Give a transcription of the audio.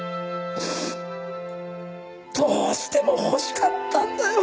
どうしても欲しかったんだよ